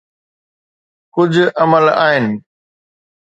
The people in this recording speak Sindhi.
ڪجھ عمل آھن.